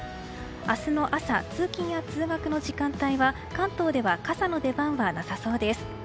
明日の朝、通勤や通学の時間帯は関東では傘の出番はなさそうです。